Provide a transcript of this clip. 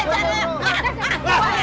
tuhan gue gak tau